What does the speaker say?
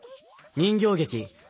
人形劇